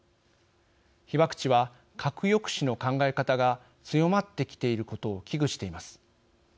被爆地は、核抑止の考え方が強まってきていることを危惧しています。